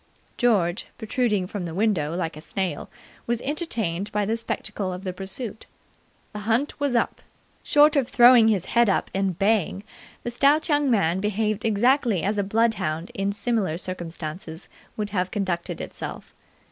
George, protruding from the window like a snail, was entertained by the spectacle of the pursuit. The hunt was up. Short of throwing his head up and baying, the stout young man behaved exactly as a bloodhound in similar circumstances would have conducted itself.